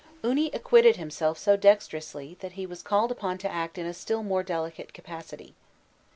Uni acquitted himself so dexterously, that he was called upon to act in a still more delicate capacity.